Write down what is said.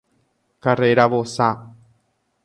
Karréra vosa